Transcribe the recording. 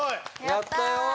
やったよ！